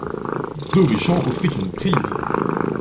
D'Orichamps offrit une prise.